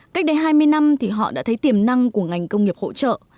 cách đây hai mươi năm thì họ đã thấy tiềm năng của ngành công nghiệp hỗ trợ